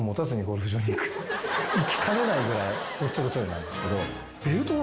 行きかねないぐらいおっちょこちょいなんですけど。